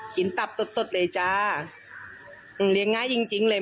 ตับสดสดเลยจ้าเลี้ยงง่ายจริงจริงเลย